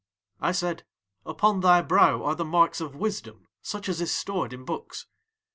I said: 'Upon thy brow are the marks of wisdom such as is stored in books.'